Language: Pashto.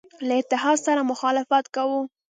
له اتحاد سره مخالفت کاوه.